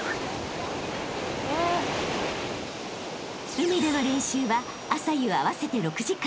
［海での練習は朝夕合わせて６時間］